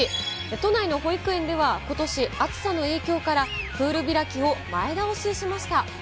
都内の保育園では、ことし、暑さの影響からプール開きを前倒ししました。